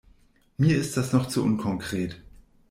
Mir ist das noch zu unkonkret.